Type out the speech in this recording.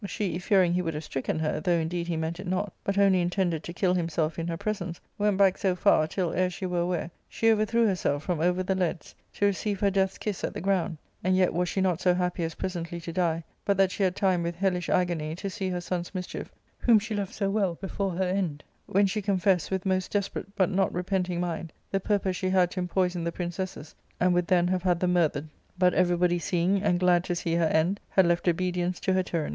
she, fearing he would have stricken her, though indeed he meant it not, but only intended to kill himself in her presence, went back so far, till, ere she were aware, she overthrew her self from over the leads, to receive her death's kiss at the ground ; and yet was she not so happy as presently to die, but that she had time, with hellish agony, to see her son's mischief, whom she loved so well, before her end ; when she confessed, with most desperate but not repenting mind, the purpose she had to impoison the princesses, and would then have had them murthered. But everybody seeing, and glad to see, her end, had left obedience to* her tyranny.